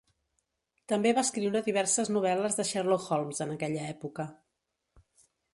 També va escriure diverses novel·les de Sherlock Holmes en aquella època.